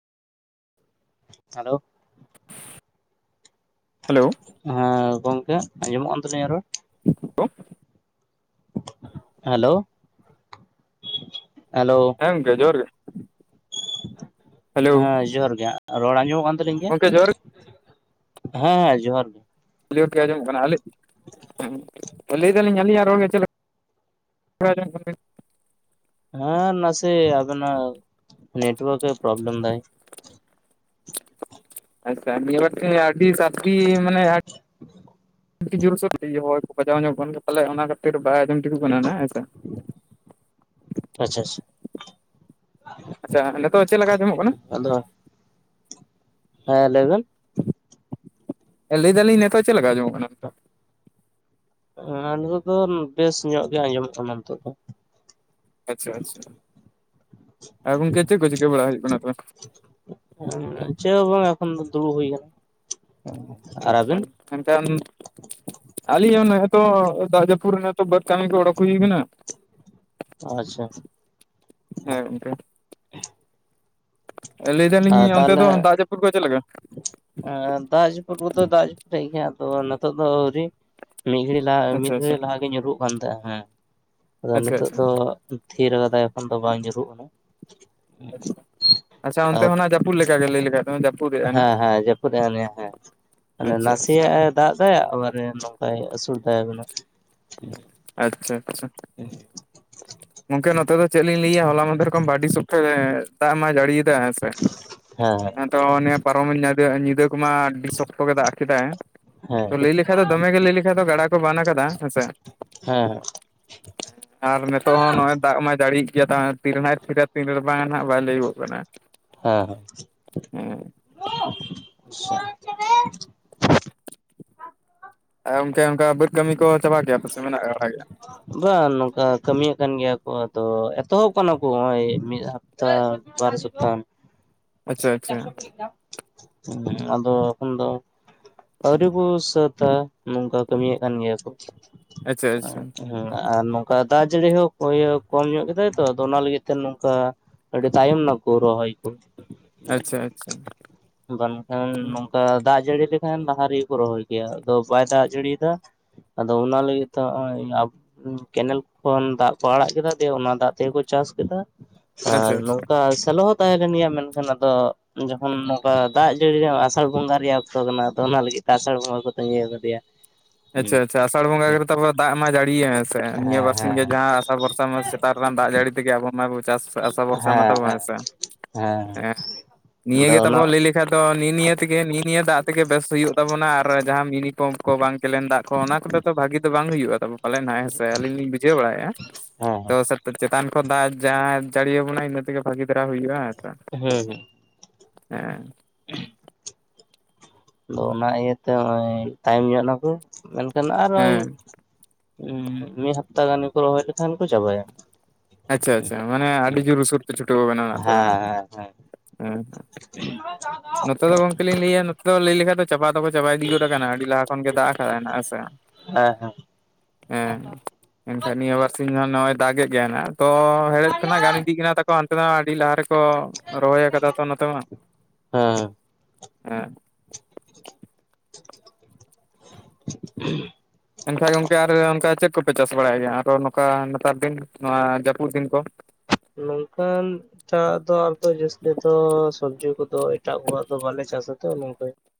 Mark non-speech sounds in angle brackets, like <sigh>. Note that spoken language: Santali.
ᱦᱮᱞᱳ ᱾ ᱦᱮᱞᱳ ᱾ ᱦᱮᱸ ᱜᱚᱝᱠᱮ ᱟᱸᱡᱚᱢᱚᱜ ᱠᱟᱱ ᱛᱟᱹᱞᱤᱧᱟ ᱨᱚᱲ? <unintelligible> ᱦᱮᱞᱳ ᱦᱮᱞᱳᱻ ᱦᱮᱸ ᱜᱚᱝᱠᱮ ᱡᱚᱦᱟᱨ ᱜᱮ ᱾ ᱦᱮᱸ ᱡᱚᱦᱟᱨ ᱜᱮ ᱨᱚᱲ ᱠᱟᱱ ᱜᱮᱭᱟ ᱜᱚᱝᱠᱮ ᱡᱚᱦᱟᱨ ᱦᱮᱸ ᱦᱮᱸ ᱡᱚᱦᱟᱨ ᱜᱮ <unintelligible> ᱞᱟᱹᱭ ᱫᱟᱞᱤᱧ ᱟᱹᱞᱤᱧᱟᱜ ᱨᱚᱲ ᱜᱮ ᱪᱮᱫ ᱞᱮᱠᱟ ᱟᱸᱡᱚᱢᱚᱜᱼᱼ ᱦᱮᱸ ᱱᱟ ᱥᱮ ᱟᱫᱚᱱᱟᱜ ᱱᱮᱴᱚᱣᱟᱨᱠ ᱮ ᱯᱨᱚᱵᱞᱮᱢ ᱫᱟᱭᱼᱼ ᱟᱪᱪᱷᱟ ᱱᱤᱭᱟᱹ ᱵᱟᱨ ᱛᱮ ᱟᱸᱴᱼᱴᱤ ᱥᱟᱛᱴᱤ ᱢᱟᱱᱮᱼᱼ ᱟᱹᱰᱤ ᱡᱳᱨᱥᱳ ᱦᱚᱭ ᱠᱚ ᱵᱟᱡᱟᱣ ᱧᱚᱜ ᱠᱟᱱ ᱯᱟᱞᱮᱱ ᱚᱱᱟ ᱠᱷᱟᱹᱛᱤᱨ ᱵᱟᱭ ᱟᱡᱸᱚᱢ ᱴᱷᱤᱠᱚᱜ ᱠᱟᱱᱟ ᱱᱟ ᱦᱮᱸ ᱥᱮ ᱟᱪᱪᱷᱟ ᱟᱪᱪᱷᱟ ᱟᱪᱪᱷᱟ ᱱᱤᱛᱚᱜ ᱪᱮᱫ ᱞᱮᱠᱟ ᱟᱸᱡᱚᱢᱚᱜ ᱠᱟᱱᱟ? ᱟᱫᱚᱼᱼ ᱦᱮᱸ ᱞᱟᱹᱭ ᱵᱤᱱᱼᱼ ᱦᱮᱸ ᱞᱟᱹᱭᱮᱫᱟᱞᱤᱧ ᱱᱤᱛᱚᱜ ᱪᱮᱫ ᱞᱮᱠᱟ ᱟᱸᱡᱚᱢᱚᱜ ᱠᱟᱱᱟ? ᱚᱱᱟ ᱱᱤᱛᱚᱜ ᱫᱚ ᱵᱮᱥ ᱧᱚᱜ ᱜᱮ ᱟᱸᱡᱚᱢᱚᱜ ᱠᱟᱱᱟ ᱱᱤᱛᱚᱜ ᱫᱚᱼᱼ ᱟᱪᱪᱷᱟ ᱟᱪᱪᱷᱟ, ᱟᱸ ᱜᱚᱢᱠᱮ ᱪᱮᱫ ᱠᱚ ᱪᱤᱠᱟᱹ ᱵᱟᱲᱟ ᱦᱩᱭᱩᱜ ᱠᱟᱱᱟ ᱛᱟᱦᱚᱞᱮ? ᱪᱮᱫ ᱦᱚᱸᱵᱟᱝ ᱮᱠᱷᱚᱱ ᱫᱚ ᱫᱩᱲᱩᱵ ᱦᱩᱭ ᱠᱟᱱᱟ ᱾ <unintelligible> ᱢᱮᱱᱠᱷᱟᱱ ᱟᱹᱞᱤᱧ ᱦᱚᱸᱱᱮᱜᱼᱮ ᱛᱚ ᱫᱟᱜ ᱡᱟᱯᱩᱫ ᱨᱮ ᱵᱟᱹᱫᱽ ᱠᱟᱹᱢᱤ ᱠᱚ ᱚᱰᱚᱠ ᱦᱩᱭ ᱠᱟᱱᱟ ᱾ ᱟᱪᱪᱷᱟ ᱾ ᱦᱮᱸ ᱜᱚᱝᱠᱮ᱾ ᱞᱟᱹᱭ ᱟᱨ ᱫᱟᱞᱤᱧ ᱚᱱᱛᱮ ᱛᱟᱦᱚᱞᱮ ᱫᱚ ᱫᱟᱜ ᱡᱟᱹᱯᱩᱫ ᱠᱚ ᱪᱮᱫ ᱞᱮᱠᱟ? ᱫᱟᱜ ᱡᱟᱹᱯᱩᱫ ᱠᱚᱫᱚ ᱫᱟᱜ ᱡᱟᱹᱯᱩᱫ ᱮᱜ ᱜᱮᱭᱟ ᱟᱫᱚ ᱱᱤᱛᱚᱜ ᱫᱚ ᱟᱹᱣᱨᱤ ᱾ ᱢᱤᱫ ᱜᱷᱟᱹᱲᱤᱡ ᱞᱟᱦᱟ ᱟᱪᱪᱷᱟ ᱢᱤᱫ ᱟᱪᱪᱷᱟ ᱜᱷᱲᱤᱡ ᱞᱟᱦᱟ ᱧᱩᱨᱩᱜ ᱠᱟᱱ ᱛᱟᱦᱮᱸᱼᱟ ᱦᱮᱸ, ᱟᱫᱚ ᱟᱪᱪᱷᱟ ᱱᱤᱛᱚᱜ ᱟᱪᱪᱷᱟ ᱫᱚ ᱛᱷᱤᱨ ᱟᱠᱟᱫᱟᱭ ᱮᱠᱷᱚᱱ ᱫᱚ ᱵᱟᱝ ᱧᱩᱨᱩᱜ ᱟᱦᱟᱜ᱾ ᱟᱪᱪᱷᱟ ᱚᱱᱛᱮ ᱦᱚᱸᱱᱟᱜ ᱡᱟᱹᱯᱩᱫ ᱞᱮᱠᱟᱜᱮ ᱞᱟᱹᱭ ᱞᱮᱠᱷᱟᱡ ᱫᱚ <unintelligible> ᱦᱮᱸ ᱦᱮᱸ ᱡᱟᱹᱯᱩᱫ ᱦᱮᱸ ᱚᱱᱮᱭᱟ, ᱟᱪᱪᱷᱟ ᱟᱪᱪᱷᱟ ᱱᱟᱥᱮᱭᱟᱜ ᱮ ᱫᱟᱜ ᱫᱟᱭ ᱮᱵᱟᱨᱮ ᱵᱟᱭ ᱟᱹᱥᱩᱲ ᱫᱟᱭᱵᱚᱱᱟ ᱟᱪᱪᱷᱟ, ᱟᱪᱪᱷᱟ᱾ <inaudible> ᱜᱚᱝᱠᱮ ᱱᱚᱛᱮ ᱫᱚ ᱪᱮᱫ ᱞᱤᱧ ᱞᱟᱹᱭᱟ ᱦᱚᱞᱟ ᱢᱚᱫᱷᱮᱨ ᱠᱷᱚᱱ ᱫᱚ ᱟᱹᱰᱤ ᱥᱚᱠᱛᱮ ᱜᱮ ᱫᱟᱜ ᱢᱟᱭ ᱡᱟᱹᱲᱤ ᱭᱮᱫ ᱾ ᱫᱟ ᱦᱮᱸᱥᱮ, ᱦᱮᱸ ᱛᱚ ᱱᱤᱭᱟᱹ ᱯᱟᱨᱚᱢ ᱮᱱ <unintelligible> ᱧᱤᱫᱟᱹ ᱠᱚᱢᱟ ᱟᱹᱰᱤ ᱥᱚᱠᱛᱚ ᱜᱮ ᱫᱟᱜ ᱠᱮᱫᱟᱭ, ᱦᱮᱸ ᱛᱚ ᱞᱟᱹᱭ ᱞᱮᱠᱷᱟᱱ ᱫᱚᱢᱮ ᱜᱮ ᱞᱟᱹᱭ ᱞᱮᱠᱷᱟᱱ ᱫᱚ ᱜᱟᱰᱟ ᱠᱚ ᱵᱟᱱ ᱟᱠᱟᱫᱟ ᱦᱮᱸᱥᱮ᱾ ᱦᱮᱸ᱾ ᱟᱨ ᱢᱮᱫ ᱛᱚ ᱱᱚᱜ ᱚᱭ ᱫᱟᱜ ᱢᱟᱭ ᱡᱟᱹᱲᱤᱭᱮᱜ ᱜᱮᱭᱟ ᱛᱚ, ᱛᱤᱱ ᱨᱮ ᱱᱟᱜ ᱛᱷᱤᱨᱟ ᱛᱤᱱ ᱨᱮ ᱵᱟᱝᱼᱟ, ᱱᱟᱜ ᱵᱟᱭ ᱞᱟᱹᱭᱚᱜ ᱠᱟᱱᱟ᱾ ᱦᱮᱸ ᱦᱮᱸ ᱦᱮᱸ᱾ ᱟᱨ ᱜᱚᱢᱠᱮ ᱚᱱᱠᱟ ᱵᱟᱹᱫᱽ ᱠᱟᱹᱢᱤ ᱠᱚ ᱪᱟᱵᱟ ᱠᱮᱜᱼᱟ ᱯᱮ, ᱥᱮ ᱢᱮᱱᱟᱜ ᱵᱟᱲᱟ ᱜᱮᱭᱟ? ᱵᱟᱝ ᱱᱚᱝᱠᱟ ᱠᱟᱹᱢᱤᱭᱮᱫ ᱠᱟᱱ ᱜᱮᱭᱟ ᱠᱚ, ᱟᱫᱚ ᱮᱛᱚᱦᱚᱵ ᱟᱠᱟᱱᱟ ᱠᱚ ᱱᱚᱜᱚᱭ ᱢᱤᱫ ᱦᱟ ᱛᱟ ᱵᱟᱨ ᱥᱚᱯᱛᱟ ᱜᱟᱱ᱾ ᱟᱪᱪᱷᱟ ᱟᱪᱪᱷᱟ ᱟᱫᱚ ᱮᱠᱷᱚᱱ ᱫᱚ ᱟᱹᱣᱨᱤ ᱠᱚ ᱥᱟᱹᱛᱟ ᱱᱚᱝᱠᱟ ᱠᱟᱹᱢᱤᱭᱮᱫ ᱠᱟᱱ ᱜᱮᱭᱟ ᱠᱚ ᱟᱪᱪᱷᱟ ᱟᱪᱪᱷᱟ ᱾ ᱦᱮᱸ ᱟᱨ ᱱᱚᱝᱠᱟ ᱫᱟᱜ ᱡᱟᱹᱲᱤ ᱦᱚᱸ ᱠᱚᱢ ᱧᱚᱜ ᱠᱮᱫᱟᱭ ᱛᱚ ᱚᱱᱟ ᱞᱟᱹᱜᱤᱫ ᱱᱚᱝᱠᱟ ᱟᱹᱰᱤ ᱛᱟᱭᱚᱢ ᱱᱟᱠᱚ ᱨᱚᱦᱚᱭ ᱠᱚ, ᱟᱪᱪᱷᱟ ᱟᱪᱪᱷᱟ ᱵᱟᱝᱠᱷᱟᱱ ᱫᱟᱜ ᱡᱟᱹᱲᱤ ᱞᱮᱠᱷᱟᱱ ᱞᱟᱦᱟ ᱨᱮᱜᱮ ᱠᱚ ᱨᱚᱦᱚᱭ ᱜᱮᱭᱟ, ᱟᱫᱚ ᱵᱟᱭ ᱫᱟᱜ ᱡᱟᱹᱲᱤᱭ ᱫᱟ ᱾ ᱟᱫᱚ ᱚᱱᱟ ᱞᱟᱹᱜᱤᱫ ᱛᱚ ᱦᱚᱜ-ᱚᱭ ᱟᱵᱚ ᱠᱮᱱᱮᱞ ᱠᱷᱚᱱ ᱫᱟᱜ ᱠᱚ ᱟᱲᱟᱜ ᱠᱮᱫᱟ, ᱫᱤᱭᱮ ᱚᱱᱟ ᱫᱟᱜ ᱛᱮᱜᱮᱠᱚ ᱪᱟᱥ ᱠᱮᱫᱟ ᱾ ᱟᱨ ᱟᱪᱪᱷᱟ ᱟᱪᱪᱷᱟ ᱱᱚᱝᱠᱟ ᱥᱮᱞᱚ ᱦᱚᱸ ᱛᱟᱦᱮᱸ ᱞᱮᱱ ᱜᱮᱭᱟ ᱢᱮᱱ ᱠᱷᱟᱱ ᱟᱫᱚ ᱡᱚᱠᱷᱚᱱ ᱱᱚᱝᱠᱟ ᱫᱟᱜ ᱡᱟᱹᱲᱤ ᱨᱮᱭᱟᱜ ᱟᱥᱟᱲ ᱵᱚᱸᱜᱟ ᱨᱮᱭᱟᱜ ᱚᱠᱛᱚ ᱠᱟᱱᱟ ᱟᱫᱚ ᱚᱱᱟ ᱞᱟᱹᱜᱤᱫ ᱟᱥᱟᱲ ᱵᱚᱸᱜᱟ ᱠᱚ ᱛᱟᱸᱜᱤᱣ ᱟᱠᱟᱫᱮᱭᱟ᱾ ᱦᱮᱸ ᱟᱪᱪᱷᱟ ᱟᱪᱪᱷᱟ, ᱟᱥᱟᱲ ᱦᱮᱸ ᱵᱚᱸᱜᱟ <unintelligible> ᱫᱟᱜ ᱢᱟ ᱡᱟᱹᱲᱤᱭᱟ ᱦᱮᱸ ᱥᱮ, ᱱᱤᱭᱟᱹ ᱵᱟᱨᱥᱤᱧ ᱜᱮ ᱡᱟᱦᱟᱸ ᱵᱚᱨᱥᱟ ᱢᱟ ᱥᱮᱛᱟᱜ ᱨᱮᱱᱟᱜ ᱫᱟᱜ ᱡᱟᱹᱲᱤ ᱛᱮᱜᱮ ᱟᱵᱚ ᱢᱟᱵᱚ ᱪᱟᱥ ᱟᱥᱟ ᱦᱮᱸ ᱦᱮᱸ ᱵᱷᱚᱨᱥᱟ ᱢᱟ ᱛᱟᱵᱚ ᱦᱮᱸ ᱥᱮ, ᱦᱮᱸ ᱮᱸ ᱱᱤᱭᱟᱹ ᱟᱫᱚ ᱜᱮ ᱚᱱᱟ ᱛᱟᱵᱚ ᱞᱟᱹᱭ ᱞᱮ ᱠᱷᱟᱡ ᱫᱚ ᱱᱤᱜ ᱱᱤᱭᱟᱹ ᱛᱮᱜᱮ ᱱᱤᱜ ᱱᱤᱭᱟᱹ ᱫᱟᱜ ᱛᱮᱜᱮ ᱵᱮᱥ ᱦᱩᱭᱩᱜ ᱛᱟᱵᱚᱱᱟ ᱟᱨ ᱡᱟᱦᱟᱸ ᱢᱤᱱᱤ ᱯᱟᱢᱯ ᱠᱚ ᱵᱟᱝ ᱠᱮᱞᱮᱱ ᱫᱟᱜ ᱠᱚ ᱚᱱᱟ ᱠᱚᱫᱚ ᱛᱚ ᱵᱷᱟᱜᱤ ᱫᱚ ᱵᱟᱝ ᱦᱩᱭᱩᱜᱼᱟ ᱛᱟᱵᱚ᱾ ᱯᱟᱞᱮᱱ ᱦᱟᱸᱜ ᱦᱮᱸ ᱥᱮ ᱟᱹᱞᱤᱧ ᱞᱤᱧ ᱵᱩᱡᱷᱟᱹᱣ ᱵᱟᱲᱟᱭᱮᱜᱼᱟ, ᱦᱮᱸ ᱦᱮᱸ ᱛᱚ ᱥᱟᱛ ᱪᱮᱛᱟᱱ ᱠᱷᱚᱱ ᱫᱟᱜ ᱡᱟᱦᱟᱸᱭ ᱡᱟᱹᱲᱤ ᱟᱵᱚᱱᱟᱭ ᱤᱱᱟᱹ ᱛᱮᱜᱮ ᱵᱷᱟᱹᱜᱮ ᱫᱷᱟᱨᱟ ᱦᱩᱭᱩᱜᱼᱟ ᱦᱮᱸ ᱥᱮ᱾ ᱦᱮᱸ ᱦᱮᱸ᱾ ᱦᱮᱸ᱾ <inaudible> ᱟᱫᱚ ᱚᱱᱟ ᱤᱭᱟᱹ ᱛᱮ ᱦᱚᱸᱜ-ᱚᱭ ᱛᱟᱭᱚᱢ ᱧᱚᱜ ᱱᱟᱠᱩ ᱢᱮᱱᱠᱷᱟᱱ ᱟᱨᱚᱭ᱾ ᱦᱮᱸ ᱩᱸ ᱢᱤᱜ ᱦᱟᱯᱛᱟ ᱜᱟᱱ ᱜᱮᱠᱚ ᱨᱚᱦᱚᱭ ᱞᱮᱠᱷᱟᱱ ᱠᱚ ᱪᱟᱵᱟᱭᱟ᱾ ᱟᱪᱪᱷᱟ ᱟᱪᱪᱷᱟ ᱢᱟᱱᱮ ᱟᱹᱰᱤ ᱡᱳᱨ ᱥᱩᱨ ᱯᱮ ᱪᱷᱩᱴᱟᱹᱣ ᱠᱟᱱᱟ ᱱᱟᱜ ᱛᱚᱵᱮ ᱱᱟᱜ, ᱦᱮᱸ ᱦᱮᱸ ᱦᱮᱸ ᱦᱮᱸ᱾ ᱱᱚᱛᱮ ᱫᱚ ᱜᱚᱝᱠᱮ ᱞᱤᱧ ᱞᱟᱹᱭᱟ ᱫᱚ ᱞᱟᱹᱭ ᱞᱮᱠᱷᱟᱱ ᱫᱚ ᱪᱟᱵᱟ ᱫᱚᱠᱚ ᱪᱟᱵᱟ ᱤᱫᱤ ᱜᱚᱫ ᱠᱟᱱᱟ ᱟᱰᱤ ᱞᱟᱦᱟ ᱠᱷᱚᱱ ᱜᱮ ᱫᱟᱜ ᱟᱠᱟᱫᱟᱭ ᱱᱷᱟᱜ, ᱦᱮᱸ ᱥᱮ? ᱦᱮᱸ ᱦᱮᱸ ᱦᱮᱸ ᱮᱱᱠᱷᱟᱡ ᱱᱤᱭᱟᱹ ᱵᱟᱨ ᱥᱤᱧ ᱜᱟᱱ ᱱᱚᱜ-ᱚᱭ ᱫᱟᱜᱮᱜ ᱜᱮᱭᱟᱭ ᱱᱟᱜ᱾ ᱛᱚ ᱦᱮᱲᱦᱮᱫ ᱠᱷᱚᱱᱟᱜ ᱜᱟᱱ ᱤᱫᱤᱜ ᱠᱟᱱᱟ ᱛᱟᱠᱚ ᱦᱟᱱᱛᱮ ᱫᱚ ᱦᱟᱸᱜ ᱟᱰᱤ ᱞᱟᱦᱟ ᱨᱮᱠᱚ᱾ ᱨᱚᱦᱚᱭ ᱟᱠᱟᱫᱟ ᱛᱚ ᱱᱚᱛᱮ ᱢᱟ ᱦᱮᱸ ᱮᱸ᱾ <inaudible> ᱮᱱᱠᱷᱟᱡ ᱜᱚᱝᱠᱮ ᱟᱨ ᱚᱱᱠᱟ ᱪᱮᱫ ᱠᱚᱯᱮ ᱪᱟᱥ ᱵᱟᱲᱟᱭ ᱜᱮᱭᱟ ᱟᱨᱚ ᱱᱚᱝᱠᱟ ᱱᱮᱛᱟᱨ ᱫᱤᱱ ᱱᱚᱣᱟ ᱡᱟᱯᱩᱫ ᱫᱤᱱ ᱠᱚ? ᱱᱚᱝᱠᱟᱱ᱾ ᱮᱴᱟ ᱟᱜ ᱫᱚ ᱟᱨ ᱫᱚ ᱡᱟᱹᱥᱛᱤ ᱫᱚ ᱥᱚᱵᱽᱡᱤ ᱠᱚᱫᱚ ᱮᱴᱟᱜ ᱠᱚᱣᱟᱜ ᱫᱚ ᱵᱟᱞᱮ ᱪᱟᱥᱟ ᱛᱚ ᱱᱚᱝᱠᱟ᱾